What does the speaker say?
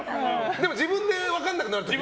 でも自分で分からなくなるでしょ。